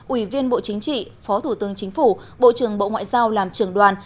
ủy viên bộ chính trị phó thủ tướng chính phủ bộ trưởng bộ ngoại giao làm trưởng đoàn